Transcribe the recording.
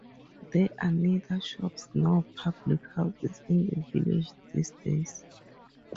There are neither shops nor public houses in the village these days.